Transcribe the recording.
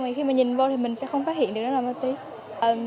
mà khi mà nhìn vô thì mình sẽ không phát hiện được đó là ma túy